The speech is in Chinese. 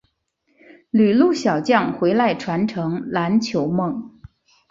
旅陆小将回来传承篮球梦